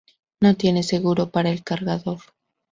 No tiene seguro para el cargador.